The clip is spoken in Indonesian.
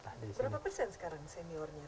berapa persen sekarang seniornya